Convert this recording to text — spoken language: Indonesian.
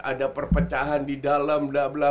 ada perpecahan di dalam